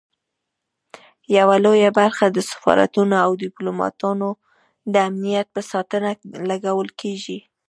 یوه لویه برخه د سفارتونو او ډیپلوماټانو د امنیت په ساتنه لګول کیږي.